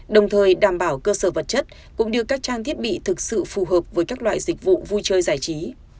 đồng thời đảm bảo cơ sở vật chất cũng như các trang thiết bị thực sự phù hợp với các loại dịch vụ vui chơi giải trí